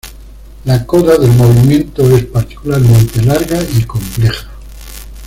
La coda del movimiento es particularmente larga y compleja.